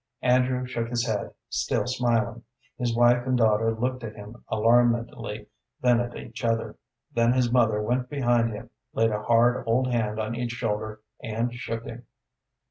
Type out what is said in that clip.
Andrew shook his head, still smiling. His wife and daughter looked at him alarmedly, then at each other. Then his mother went behind him, laid a hard, old hand on each shoulder, and shook him.